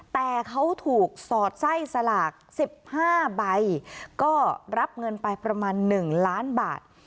แต่เขาถูกสอดไส้สลาก๑๕ใบก็รับเงินไปประมาณ๑ล้านบาท